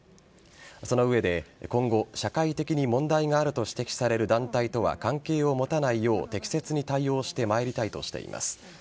その上で今後社会的に問題があると指摘される団体とは関係を持たないよう適切に対応してまいりたいとしています。